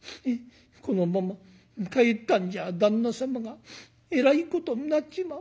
このまま帰ったんじゃ旦那様がえらいことになっちまう。